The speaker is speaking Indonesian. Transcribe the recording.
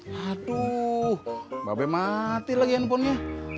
haduh mbak be mati lagi handphonenya